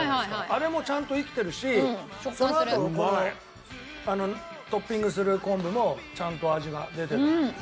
あれもちゃんと生きてるしそのあとのこのトッピングする昆布もちゃんと味が出てる。